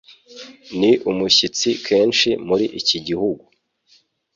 Ni umushyitsi kenshi muri iki gihugu.